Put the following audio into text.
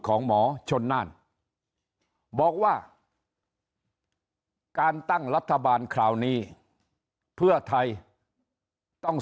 ของหมอชนน่านบอกว่าการตั้งรัฐบาลคราวนี้เพื่อไทยต้อง